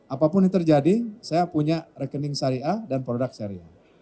apapun yang terjadi saya punya rekening syariah dan produk syariah